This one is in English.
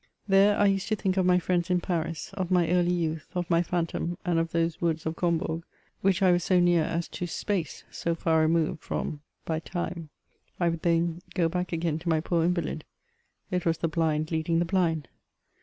There I used to think of my friends in Paris, of my early youth, of my phantom, and of those woods of Combourg, which I was 00 near as to space, so far removed from by time, I would then go back again to my poor invalid : it was the blind leading the blind.